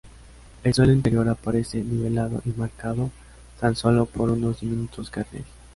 El suelo interior aparece nivelado y marcado tan solo por unos diminutos cráteres.